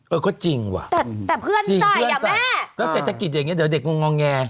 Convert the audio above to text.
เออก็จริงว่ะแต่แต่เพื่อนใจอ่ะแม่แล้วเศรษฐกิจอย่างเงี้เดี๋ยวเด็กงงอแง